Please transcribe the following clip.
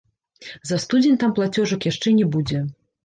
За студзень там плацёжак яшчэ не будзе.